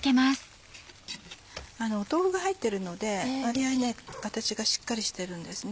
豆腐が入ってるので割合形がしっかりしてるんですね。